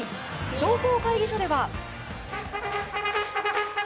商工会議所では。